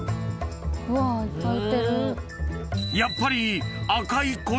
［やっぱり］